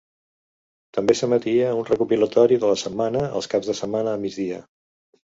També s'emetia un recopilatori de la setmana els caps de setmana a migdia.